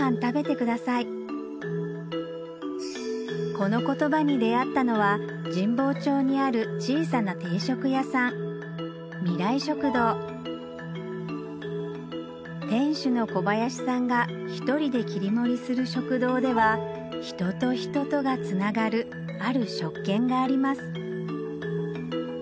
このコトバに出合ったのは神保町にある小さな定食屋さん未来食堂店主の小林さんが１人で切り盛りする食堂では人と人とがつながるある食券があります